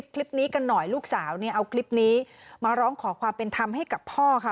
คลิปนี้กันหน่อยลูกสาวเนี่ยเอาคลิปนี้มาร้องขอความเป็นธรรมให้กับพ่อค่ะ